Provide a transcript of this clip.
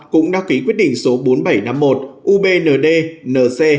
cũng đã ký quyết định số bốn nghìn bảy trăm năm mươi một ubnd nc